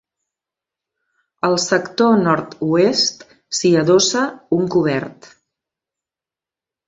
Al sector Nord-oest s'hi adossa un cobert.